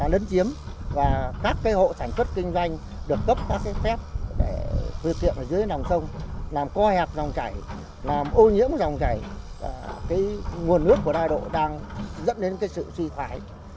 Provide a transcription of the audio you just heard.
làm co hẹp dòng chảy làm ô nhiễm dòng chảy cái nguồn nước của đa độ đang dẫn đến cái sự suy thoải